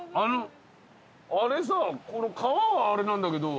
あれさ川はあれなんだけど。